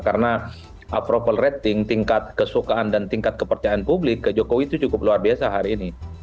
karena approval rating tingkat kesukaan dan tingkat kepercayaan publik ke jokowi itu cukup luar biasa hari ini